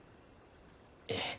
ええ。